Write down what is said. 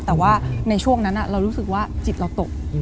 แต่ว่าในช่วงนั้นเรารู้สึกว่าจิตเราตก